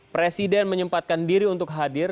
presiden menyempatkan diri untuk hadir